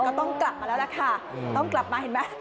ก็ต้องกลับมาแล้วล่ะค่ะต้องกลับมาเห็นไหม